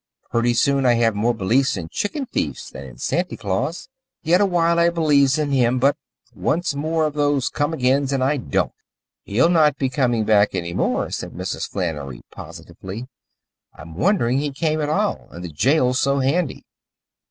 "Purty soon I have more beliefs in chicken thiefs than in Santy Claus. Yet a while I beliefs in him, but, one more of those come agains, and I don't." "He'll not be comin' back any more," said Mrs. Flannery positively. "I'm wonderin' he came at all, and the jail so handy.